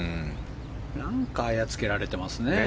なんかあやをつけられていますね。